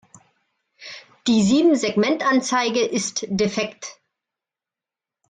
Die Siebensegmentanzeige ist defekt.